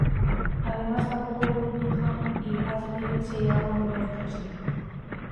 Además, tampoco Buckingham y Ashley se llevaban muy bien entre sí.